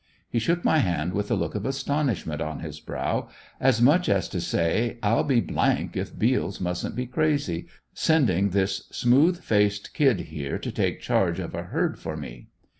He shook my hand with a look of astonishment on his brow, as much as to say, I'll be if Beals mustn't be crazy, sending this smooth faced kid here to take charge of a herd for me!